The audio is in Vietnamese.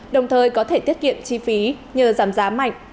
đồng thời có thể tiết kiệm chi phí nhờ giảm giá mạnh